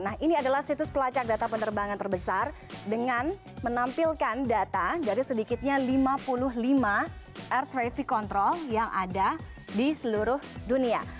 nah ini adalah situs pelacak data penerbangan terbesar dengan menampilkan data dari sedikitnya lima puluh lima air traffic control yang ada di seluruh dunia